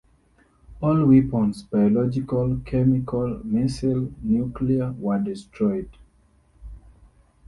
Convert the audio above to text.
All weapons-biological, chemical, missile, nuclear-were destroyed.